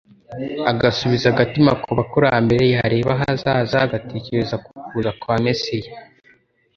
agasubiza agatima ku bakurambere, yareba ahazaza, agatekereza ku kuza kwa Mesiya,